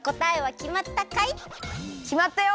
きまったよ！